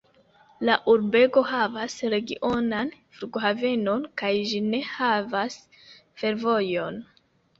La urbego havas regionan flughavenon kaj ĝi ne havas fervojon.